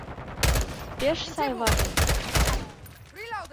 Пеш сай вате!